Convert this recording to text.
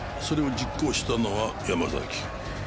それを実行したのは山崎。